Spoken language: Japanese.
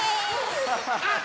あっ！